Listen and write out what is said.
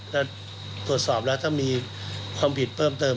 และตรวจสอบแล้วถ้ามีความผิดเพิ่มเติม